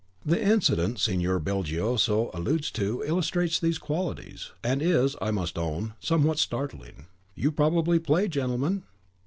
The incident Signor Belgioso alludes to, illustrates these qualities, and is, I must own, somewhat startling. You probably play, gentlemen?"